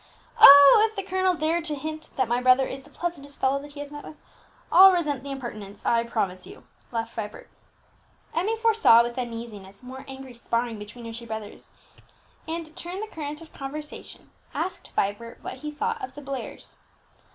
"Oh, if the colonel dare to hint that my brother is the pleasantest fellow that he has met with, I'll resent the impertinence, I promise you," laughed Vibert. Emmie foresaw, with uneasiness, more angry sparring between her two brothers, and, to turn the current of conversation, asked Vibert what he thought of the Blairs.